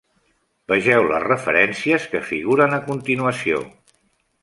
Vegeu les referències que figuren a continuació.